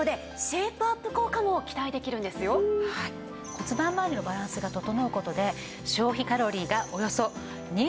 骨盤まわりのバランスが整う事で。